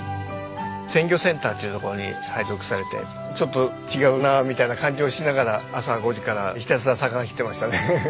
鮮魚センターという所に配属されて「ちょっと違うな」みたいな感じもしながら朝５時からひたすら魚切ってましたね。